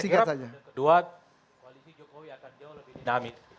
saya kira kedua koalisi jokowi akan jauh lebih dinamis